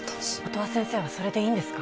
音羽先生はそれでいいんですか？